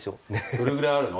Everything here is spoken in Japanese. どれぐらいあるの？